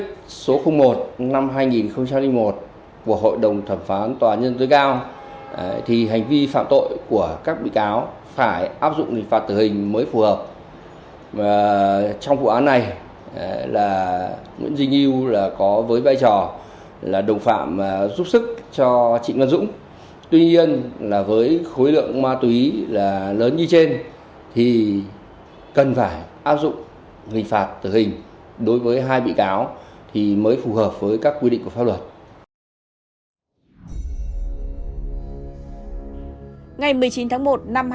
một mươi chín tháng một năm hai nghìn một mươi sáu tòa án nhân dân cấp cao ở hà nội đã mở phiên xét xử phúc thẩm